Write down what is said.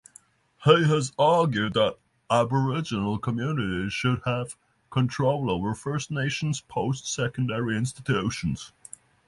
He has argued that aboriginal communities should have control over First Nations post-secondary institutions.